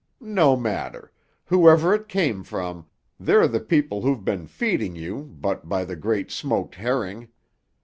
No matter. Whoever it came from, they're the people who've been feeding you, but by the great smoked herring!